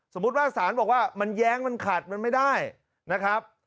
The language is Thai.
สมมุติว่าสารบอกว่ามันแย้งมันขัดมันไม่ได้นะครับ